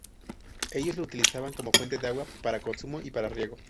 Ellos lo utilizaban como fuente de agua para consumo y para riego.